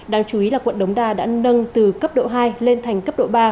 đáng chú ý là quận đống đa đã nâng từ cấp độ hai lên thành cấp độ ba